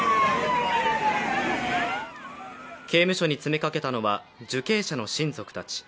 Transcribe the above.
刑務所に詰めかけたのは、受刑者の親族たち。